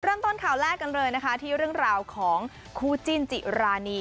เริ่มต้นข่าวแรกกันเลยนะคะที่เรื่องราวของคู่จิ้นจิรานี